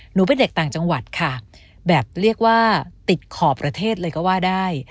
หนูเป็นเด็กต่างจังหวัดค่ะแบบเรียกว่าติดขอบประเทศเลยก็ว่าได้